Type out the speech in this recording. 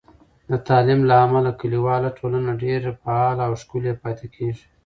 د تعلیم له امله، کلیواله ټولنه ډیر فعاله او ښکیل پاتې کېږي.